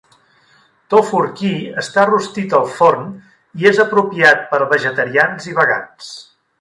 Tofurkey està rostit al forn i és apropiat per vegetarians i vegans.